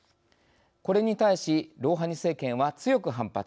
これに対しロウハニ政権は強く反発。